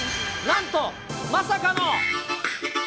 なんと、まさかの。